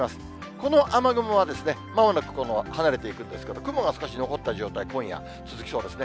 この雨雲はまもなく離れていくんですけども、雲が少し残った状態、今夜続きそうですね。